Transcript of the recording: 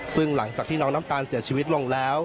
ซึ่งหลังจากที่น้องน้ำตาลเสียชีวิตลงแล้ว